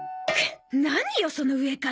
何よその上から。